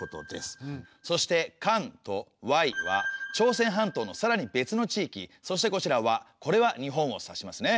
そして「韓」と「」は朝鮮半島のさらに別の地域そしてこちら「倭」これは日本を指しますね。